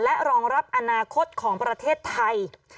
และรองรับอนาคตของประเทศไทย